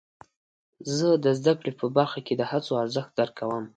زه د زده کړې په برخه کې د هڅو ارزښت درک کوم.